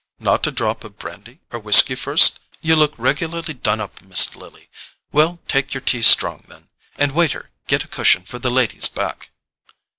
"Not a drop of brandy or whiskey first? You look regularly done up, Miss Lily. Well, take your tea strong, then; and, waiter, get a cushion for the lady's back."